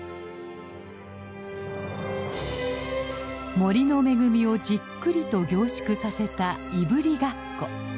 森の恵みをじっくりと凝縮させたいぶりがっこ。